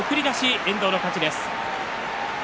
遠藤の勝ちです。